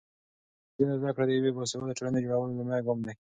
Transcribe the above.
د نجونو زده کړه د یوې باسواده ټولنې د جوړولو لومړی ګام دی.